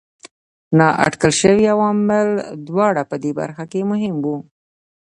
نااټکل شوي عوامل دواړه په دې برخه کې مهم وو.